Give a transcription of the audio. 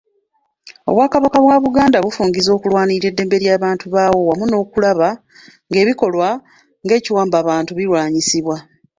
Obwakabaka bwa Buganda bufungizza okulwanirira eddembe ly'abantu baabwo wamu n'okulaba ng'ebikolwa ng'ekiwambabantu birwanyisibwa.